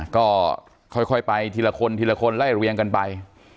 ก็ค่อยไปทีละคนทีละคนไล่เรียงกันไป